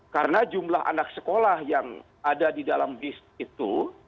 karena jumlah anak sekolah yang ada di dalam bis itu